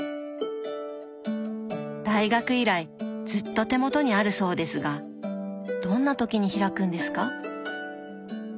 大学以来ずっと手元にあるそうですがどんな時に開くんですか？